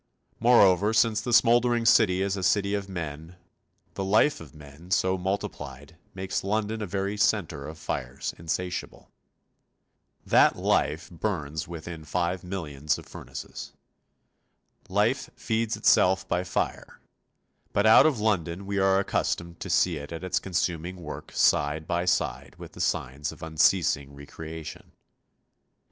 Moreover, since the smouldering city is a city of men, the life of men, so multiplied, makes London a very centre of fires insatiable. That life burns within five millions of furnaces. Life feeds itself by fire, but out of London we are accustomed to see it at its consuming work side by side with the signs of unceasing re creation.